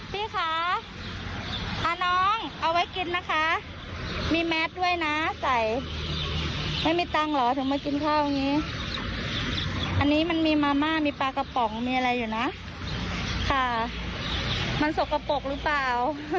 พี่คะน้องเอาไว้กินนะคะมีแมสด้วยนะใส่ไม่มีตังค์เหรอถึงมากินข้าวอย่างนี้อันนี้มันมีมาม่ามีปลากระป๋องมีอะไรอยู่นะค่ะมันสกปรกหรือเปล่า